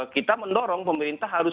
kita mendorong pemerintah harus